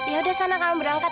yaudah san kamu berangkat